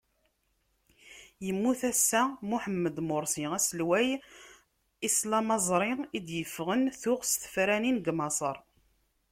Yemmut assa Muḥemmed Mursi, aselway islamẓri i d-yeffɣen tuɣ s tefranin deg Maṣer.